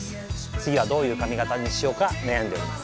次はどういう髪形にしようか悩んでいます。